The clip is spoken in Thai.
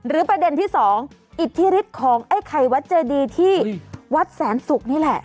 ประเด็นที่๒อิทธิฤทธิ์ของไอ้ไข่วัดเจดีที่วัดแสนศุกร์นี่แหละ